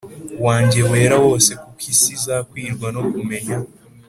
Wanjye wera wose kuko isi izakwirwa no kumenya